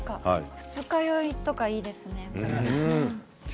二日酔いとかにいいですね。